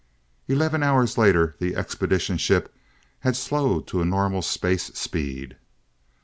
Eleven hours later, the expedition ship had slowed to a normal space speed.